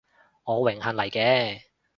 我榮幸嚟嘅